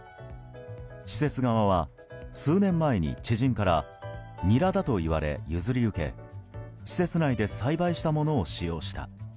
施設側は、数年前に知人からニラだといわれ譲り受け施設内で栽培したものを使用した。